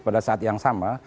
pada saat yang sama